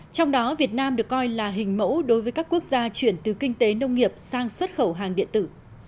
trong đó việt nam được coi là hình mẫu đối với các quốc gia chuyển từ kinh tế nông nghiệp sang xuất khẩu hàng điện tử